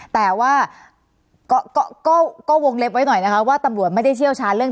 แต่ว่าก็วงเล็บไว้หน่อยนะคะว่าตำรวจไม่ได้เชี่ยวชาญเรื่อง